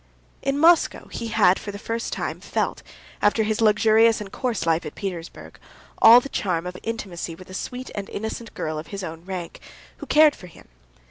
In Moscow he had for the first time felt, after his luxurious and coarse life at Petersburg, all the charm of intimacy with a sweet and innocent girl of his own rank, who cared for him.